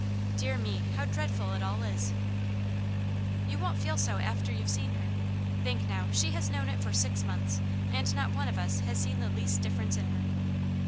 Dear me, how dreadful it all is !^'" You won't feel so after youVe seen her. Think now, she has known it for six months, and not one of us has seen the least difference in her."